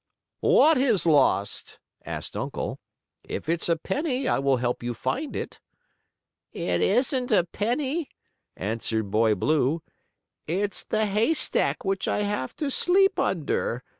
"What is lost?" asked Uncle. "If it's a penny I will help you find it." "It isn't a penny," answered Boy Blue. "It's the hay stack which I have to sleep under.